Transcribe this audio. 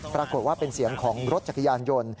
ปรากฏว่าเป็นเสียงของรถจักรยานยนต์